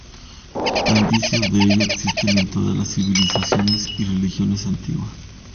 Indicios de ello existen en todas las civilizaciones y religiones antiguas.